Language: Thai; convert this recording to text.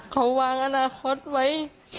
เขาวางอนาคตไว้